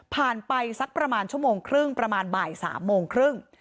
ไปสักประมาณชั่วโมงครึ่งประมาณบ่าย๓โมงครึ่ง